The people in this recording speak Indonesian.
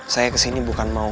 saya kesini bukan mau